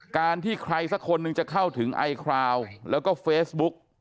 การที่ใครสักคนหนึ่งจะเข้าถึงไอคราวแล้วก็เฟซบุ๊ก